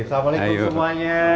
sampai jumpa semuanya